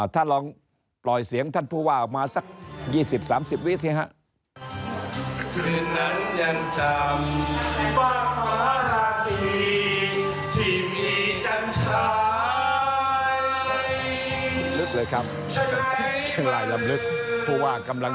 ถ้าลองปล่อยเสียงท่านผู้ว่าออกมาสัก๒๐๓๐วิทยา